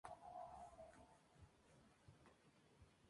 La mayoría de los poliinsaturados provienen de plantas y pescados grasos.